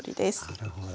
なるほど。